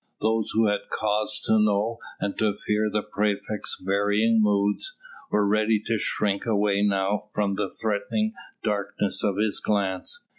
Those who had cause to know and to fear the praefect's varying moods, were ready to shrink away now from the threatening darkness of his glance.